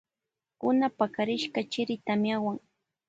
Kuna pakarishka chiri tamiawan.